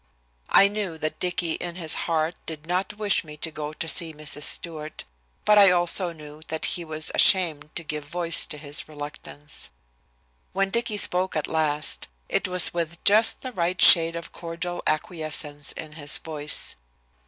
I knew that Dicky, in his heart, did not wish me to go to see Mrs. Stewart, but I also knew that he was ashamed to give voice to his reluctance. When Dicky spoke at last, it was with just the right shade of cordial acquiescence in his voice.